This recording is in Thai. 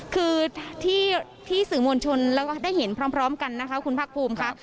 คือที่สื่อมวลชนแล้วก็ได้เห็นพร้อมกันนะคะคุณภาคภูมิค่ะ